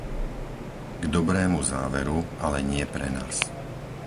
K dobrému záveru, ale nie pre nás.